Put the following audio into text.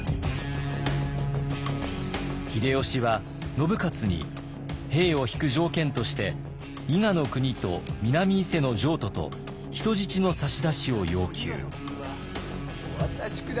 秀吉は信雄に兵を引く条件として伊賀国と南伊勢の譲渡と人質の差し出しを要求。